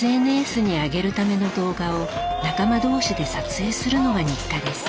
ＳＮＳに上げるための動画を仲間同士で撮影するのが日課です。